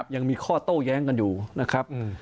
ยังมีข้อโต้แย้งกันอยู่นะครับ